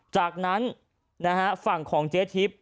จากนั้นฝั่งของเจ๊ทิพย์